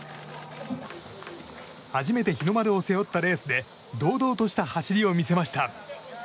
初めて日の丸を背負ったレースで堂々とした走りを見せました。